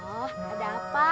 oh ada apa